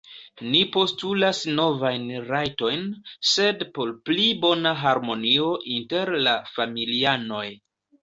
Ni postulas novajn rajtojn, sed por pli bona harmonio inter la familianoj.